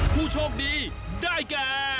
ผู้โชคดีได้แก่